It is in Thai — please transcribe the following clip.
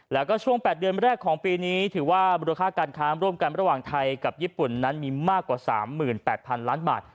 แล้วก็ช่วง๘เดือนแรกของปีนี้ถือว่ามูลค่าการค้าร่วมกันระหว่างไทยกับญี่ปุ่นนั้นมีมากกว่า๓๘๐๐๐ล้านบาท